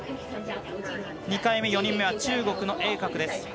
２回目、４人目は中国の栄格です。